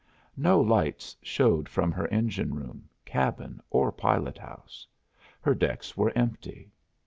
No lights showed from her engine room, cabin, or pilot house. Her decks were empty.